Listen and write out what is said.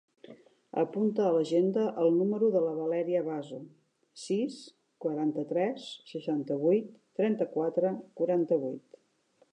Apunta a l'agenda el número de la Valèria Bazo: sis, quaranta-tres, seixanta-vuit, trenta-quatre, quaranta-vuit.